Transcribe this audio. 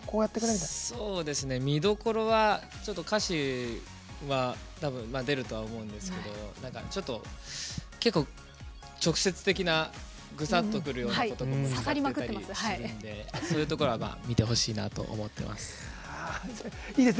見どころは、ちょっと歌詞は出るとは思うんですけどちょっと結構、直接的なぐさっとくるような言葉を入れていたりするのでそういうところは見てほしいなと思ってます。